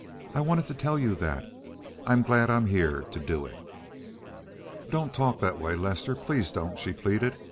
I wanted to tell you that. I'm glad I'm here to do it." "Don't talk that way, Lester—please don't," she pleaded.